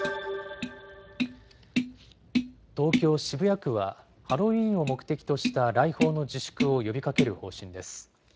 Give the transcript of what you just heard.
東京・渋谷区は、ハロウィーンを目的とした来訪の自粛を呼びかける方針です。